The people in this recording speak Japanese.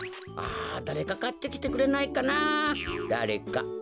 あだれかかってきてくれないかなだれか。